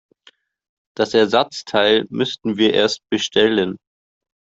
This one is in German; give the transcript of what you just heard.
Das Ersatzteil müssten wir erst bestellen.